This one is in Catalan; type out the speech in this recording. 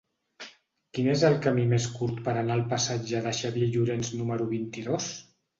Quin és el camí més curt per anar al passatge de Xavier Llorens número vint-i-dos?